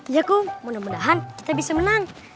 iya kum mudah mudahan kita bisa menang